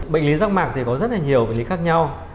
bệnh lý rác mạc thì có rất là nhiều bệnh lý khác nhau